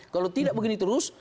kalau tidak begini terus